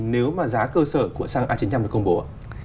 nếu mà giá cơ sở của xăng a chín trăm linh được công bố ạ